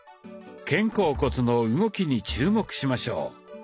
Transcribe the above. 肩甲骨の動きに注目しましょう。